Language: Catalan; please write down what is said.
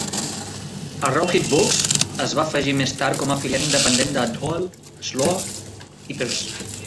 Arrowhead Books es va afegir més tard com a filial independent de Duell, Sloan i Pearce.